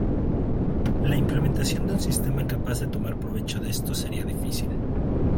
La implementación de un sistema capaz de tomar provecho de esto sería difícil.